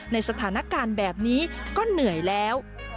ในสถานการณ์แบบนี้ก็เหนื่อยแล้ว